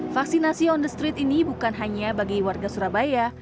vaksinasi on the street ini bukan hanya bagi warga surabaya